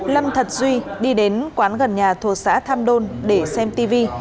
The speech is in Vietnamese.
lâm thật duy đi đến quán gần nhà thuộc xã tham đôn để xem tv